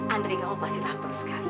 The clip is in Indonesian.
andre kamu pasti lapar sekali